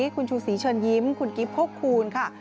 คุณชูศรีเชิญยิ้มคุณกิฟต์โคกคูณค่ะ